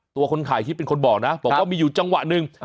คนถ่ายคลิปเป็นคนบอกนะบอกว่ามีอยู่จังหวะหนึ่ง